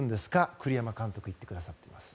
栗山監督が言ってくださっています。